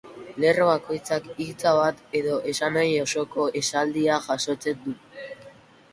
Lerro bakoitzak hitza bat edo esanahi osoko esaldia jasotzen du.